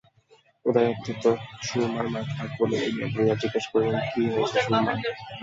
উদয়াদিত্য সুরমার মাথা কোলে তুলিয়া লইয়া জিজ্ঞাসা করিলেন, কী হইয়াছে সুরমা?